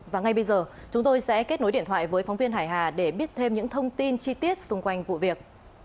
và ngay bây giờ chúng tôi sẽ kết nối điện thoại với phóng viên hải hà để biết thêm những thông tin chi tiết xung quanh vụ việc